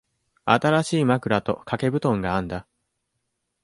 新しい枕と掛け布団があんだ。